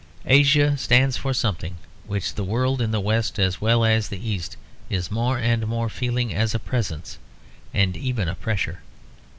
Asia stands for something which the world in the West as well as the East is more and more feeling as a presence, and even a pressure.